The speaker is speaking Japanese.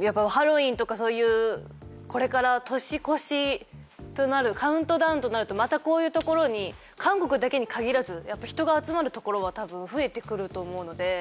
やっぱハロウィーンとかそういうこれから年越しカウントダウンとなるとまたこういう所に韓国だけに限らずやっぱ人が集まる所は多分増えて来ると思うので。